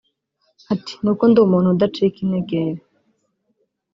Ati “ Ni uko ndi umuntu udacika integer